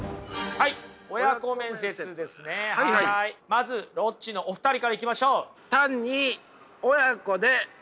まずロッチのお二人からいきましょう。